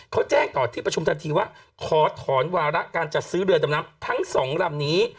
เขาแจ้งต่อที่ประชุมทันทีว่าขอถอนวาระการจัดซื้อเรือดำน้ำทั้งสองลำนี้